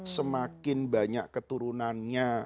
semakin banyak keturunannya